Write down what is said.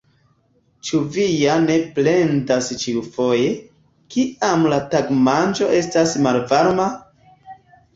Ĉu vi ja ne plendas ĉiufoje, kiam la tagmanĝo estas malvarma?